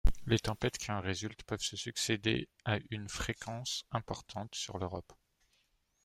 Les tempêtes qui en résultent peuvent se succéder à une fréquence importante sur l’Europe.